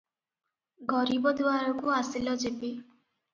ଗରିବ ଦୁଆରକୁ ଆସିଲ ଯେବେ ।